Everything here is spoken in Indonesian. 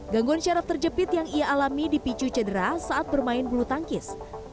gangguan syaraf terjepit yang ia alami dipicu cedera saat bermain bulu tangkis